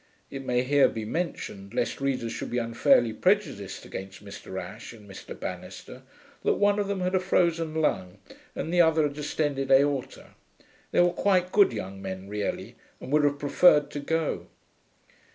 (It may here be mentioned, lest readers should be unfairly prejudiced against Mr. Ashe and Mr. Banister, that one of them had a frozen lung and the other a distended aorta. They were quite good young men really, and would have preferred to go.)